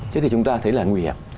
chứ thì chúng ta thấy là nguy hiểm